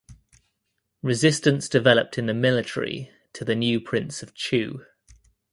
Resistance developed in the military to the new prince of Chu.